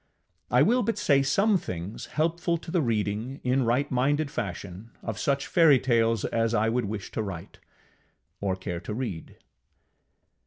I will but say some things helpful to the reading, in right minded fashion, of such fairytales as I would wish to write, or care to read.